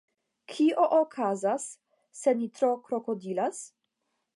Kio okazas se ni tro krokodilas?